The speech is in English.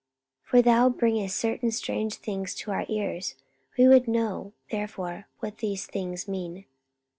44:017:020 For thou bringest certain strange things to our ears: we would know therefore what these things mean.